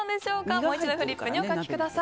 もう一度フリップにお書きください。